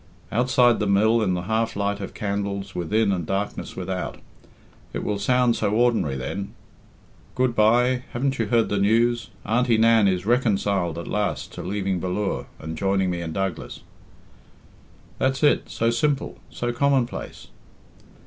Outside the mill, in the half light of candles within and darkness without! It will sound so ordinary then, 'Good bye! Haven't you heard the news? Auntie Nan is reconciled at last to leaving Ballure and joining me in Douglas.' That's it; so simple, so commonplace."